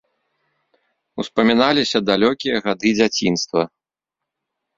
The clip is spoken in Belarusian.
Успаміналіся далёкія гады дзяцінства.